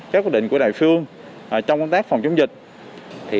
các quyết định của đài phương trong công tác phòng chống dịch